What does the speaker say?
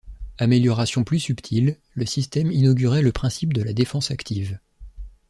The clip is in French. Amélioration plus subtile, le système inaugurait le principe de la défense active.